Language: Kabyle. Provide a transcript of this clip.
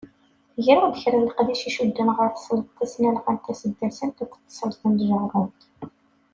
Greɣ-d kra leqdic i icudden ɣer tesleḍt tasnalɣant taseddasant akked tesleḍt n tjerrumt.